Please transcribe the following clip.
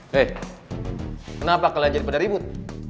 hei kenapa kalian jadi pada ribut